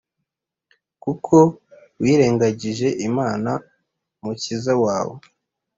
kuko wirengagije Imana, Umukiza wawe,